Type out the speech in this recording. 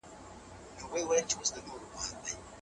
ماشوم په ډېر سرعت سره د انا خواته راوگرځېد.